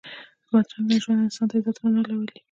بدرنګه ژوند انسان ته عزت نه راولي